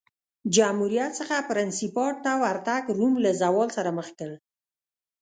جمهوریت څخه پرنسیپات ته ورتګ روم له زوال سره مخ کړ